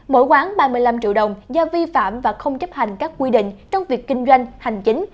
mỗi quán ba mươi năm triệu đồng do vi phạm và không chấp hành các quy định trong việc kinh doanh hành chính